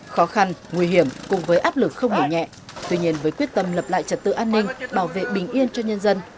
khó khăn nguy hiểm cùng với áp lực không hề nhẹ tuy nhiên với quyết tâm lập lại trật tự an ninh bảo vệ bình yên cho nhân dân